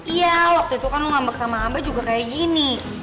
iya waktu itu kamu ngambek sama abah juga kayak gini